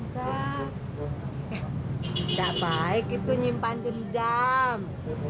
eh enggak baik itu nyimpan teridam